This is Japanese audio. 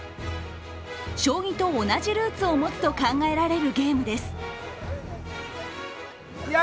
将棋と同じルーツを持つと考えられるゲームです。